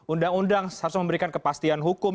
undang undang harus memberikan kepastian hukum